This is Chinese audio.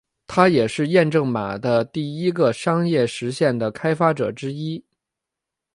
他也是验证码的第一个商业实现的开发者之一。